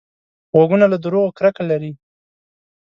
غوږونه له دروغو کرکه لري